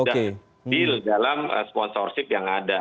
dan deal dalam sponsorship yang ada